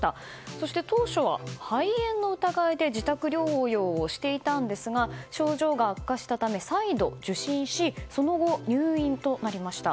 そして当初は肺炎の疑いで自宅療養をしていたんですが症状が悪化したため再度、受診しその後、入院となりました。